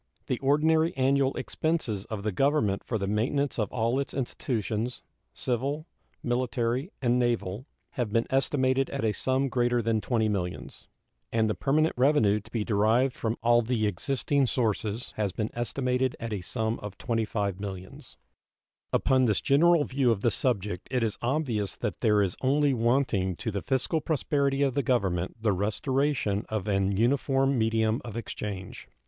The ordinary annual expenses of the Government for the maintenance of all its institutions, civil, military, and naval, have been estimated at a sum greater than $20 millions, and the permanent revenue to be derived from all the existing sources has been estimated at a sum of $25 millions. Upon this general view of the subject it is obvious that there is only wanting to the fiscal prosperity of the Government the restoration of an uniform medium of exchange.